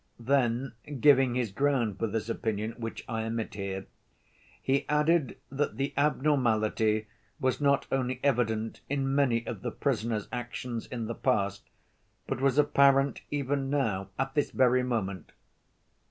Then giving his grounds for this opinion, which I omit here, he added that the abnormality was not only evident in many of the prisoner's actions in the past, but was apparent even now at this very moment.